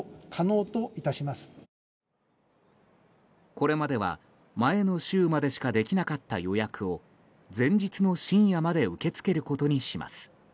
これまでは、前の週までしかできなかった予約を前日の深夜まで受け付けることにします。